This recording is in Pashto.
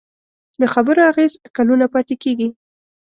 د خبرو اغېز کلونه پاتې کېږي.